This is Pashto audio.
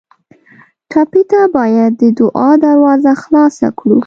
ټپي ته باید د دعا دروازه خلاصه کړو.